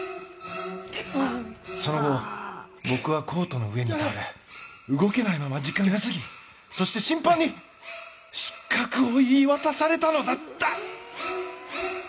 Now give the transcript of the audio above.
その後、僕はコートの上に倒れ動けないまま時間が過ぎそして審判に失格を言い渡されたのだった。